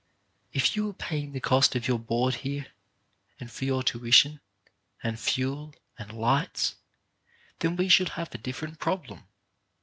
If you were paying the cost of your board here, and for your tuition, and fuel and lights, then we should have a different problem.